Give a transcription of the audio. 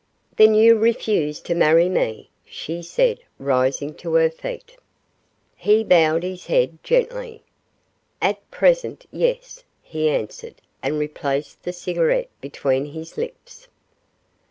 'Then you refuse to marry me?' she said, rising to her feet. He bowed his head gently. 'At present, yes,' he answered, and replaced the cigarette between his lips.